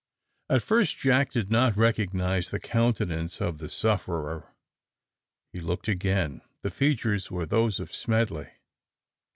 At first Jack did not recognise the countenance of the sufferer. He looked again: the features were those of Smedley!